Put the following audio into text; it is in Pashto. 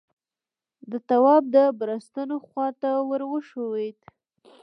تواب د بړستنو خواته ور وښويېد.